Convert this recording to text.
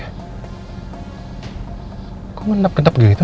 hai kondok kondok gitu